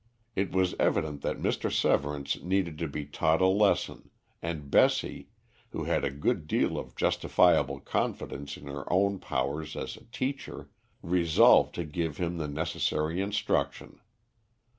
It was evident that Mr. Severance needed to be taught a lesson, and Bessie, who had a good deal of justifiable confidence in her own powers as a teacher, resolved to give him the necessary instruction.